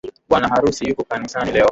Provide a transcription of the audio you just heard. Bwana harusi yuko kanisani leo.